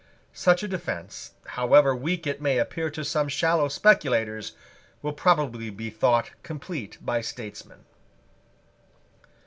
Such a defence, however weak it may appear to some shallow speculators, will probably be thought complete by statesmen.